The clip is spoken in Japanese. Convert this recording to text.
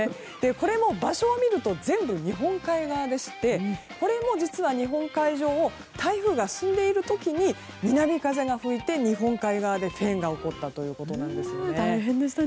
これも場所を見ると全部、日本海側でしてこれ実は日本海上を台風が進んでいる時に南風が吹いて日本海側でフェーンが起こったということですね。